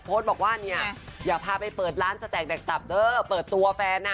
โพสต์บอกว่าเนี่ยอย่าพาไปเปิดร้านสแตกแดกตับเด้อเปิดตัวแฟนอ่ะ